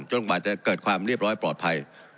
กว่าจะเกิดความเรียบร้อยปลอดภัย